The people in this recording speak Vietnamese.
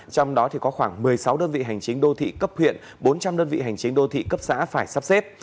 trong đó có khoảng một mươi sáu đơn vị hành chính đô thị cấp huyện bốn trăm linh đơn vị hành chính đô thị cấp xã phải sắp xếp